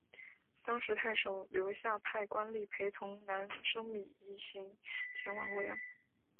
当时太守刘夏派官吏陪同难升米一行前往洛阳。